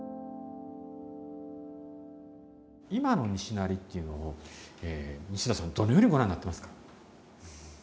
今の西成っていうのを西田さんはどのようにご覧になってますか？